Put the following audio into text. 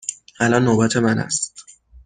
الان نوبت من است.